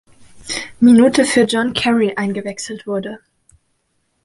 Minute für John Carew eingewechselt wurde.